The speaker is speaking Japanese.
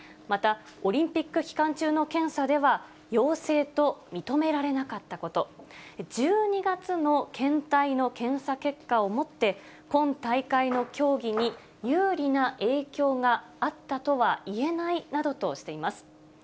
またオリンピック期間中の検査では、陽性と認められなかったこと、１２月の検体の検査結果をもって、本大会の競技に有利な影響があったとはいえないなどとしています。